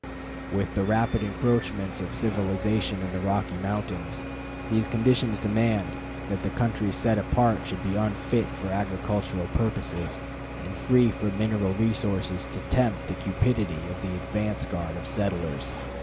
With the rapid encroachments of civilization in the Rocky Mountains, these conditions demand that the country set apart should be unfit for agricultural purposes, and free from mineral resources to tempt the cupidity of the advance guard of settlers.